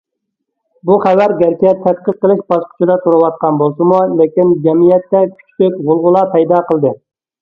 بۇ خەۋەر گەرچە« تەتقىق قىلىش» باسقۇچىدا تۇرۇۋاتقان بولسىمۇ، لېكىن جەمئىيەتتە كۈچلۈك غۇلغۇلا پەيدا قىلدى.